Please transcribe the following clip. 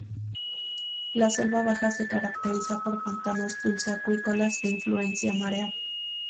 La selva baja se caracteriza por pantanos dulceacuícolas de influencia mareal.